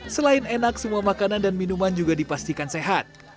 selain enak semua makanan dan minuman juga dipastikan sehat